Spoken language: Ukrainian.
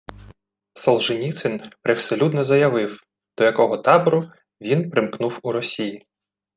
Солженіцин привселюдно заявив, до якого табору він примкнув у Росії